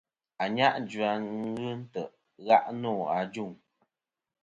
Ànyajua ghɨ ntè' i gha' nô ajuŋ.